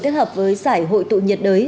kết hợp với giải hội tụ nhiệt đới